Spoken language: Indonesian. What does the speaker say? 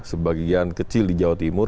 sebagian kecil di jawa timur